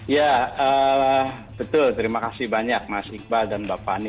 ya betul terima kasih banyak mas iqbal dan mbak fani